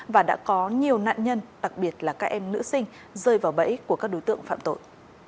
và đã có nhiều nạn nhân đặc biệt là các em nữ sinh rơi vào bẫy của các đối tượng phạm tội